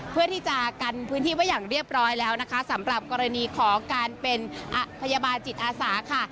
เพื่อที่จะกันพื้นที่ไว้อย่างเรียบร้อยแล้วนะคะสำหรับกรณีของการเป็นพยาบาลจิตอาสาค่ะ